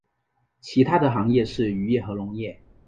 其它的行业是渔业和农业。